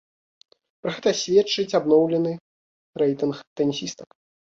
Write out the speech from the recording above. Пра гэта сведчыць абноўлены рэйтынг тэнісістак.